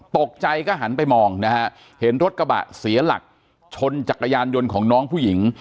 ตกใจก็หันไปมองนะฮะเห็นรถกระบะเสียหลักชนจักรยานยนต์ของน้องผู้หญิง